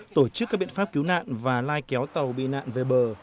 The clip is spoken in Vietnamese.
tổ chức các biện pháp cứu nạn và lai kéo tàu bị nạn về bờ